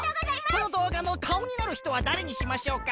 そのどうがのかおになるひとはだれにしましょうか？